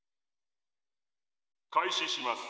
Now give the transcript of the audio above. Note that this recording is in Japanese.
開始します。